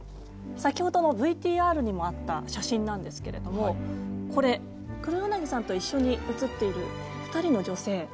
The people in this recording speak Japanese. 先ほどのＶＴＲにもあった写真なんですけれどもこれ黒柳さんと一緒に写っている２人の女性誰だか分かりますか？